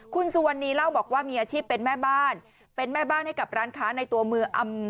คุณสุวรรณีเล่าบอกว่ามีอาชีพเป็นแม่บ้านเป็นแม่บ้านให้กับร้านค้าในตัวเมือง